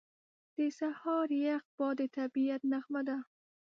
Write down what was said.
• د سهار یخ باد د طبیعت نغمه ده.